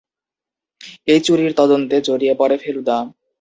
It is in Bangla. এই চুরির তদন্তে জড়িয়ে পড়ে ফেলুদা।